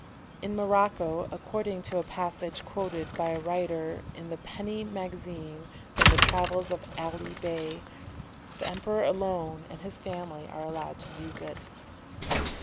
In Morocco, according to a passage quoted by a writer in the Penny Magazine from the Travels of Ali Bey, the emperor alone and his family are allowed to use it.